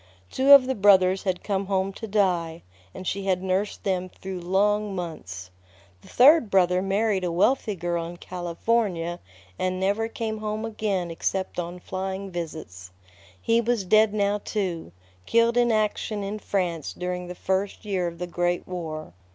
Two of the brothers had come home to die, and she had nursed them through long months. The third brother married a wealthy girl in California, and never came home again except on flying visits. He was dead now, too, killed in action in France during the first year of the Great War.